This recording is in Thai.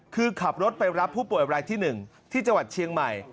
คือขับรถไปรับผู้ป่วยรายที่๑ที่จังหวัดเชียงใหม่